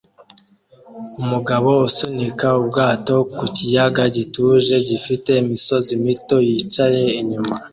Umugabo usunika ubwato ku kiyaga gituje gifite imisozi mito yicyatsi inyuma